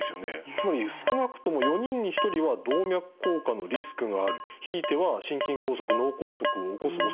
つまり少なくとも４人に１人は動脈硬化のリスクがあるひいては心筋梗塞脳梗塞を起こすおそれがあるということですよね。